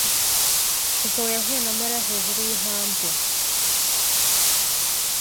Mugabo yahuye na Mariya hejuru yintambwe.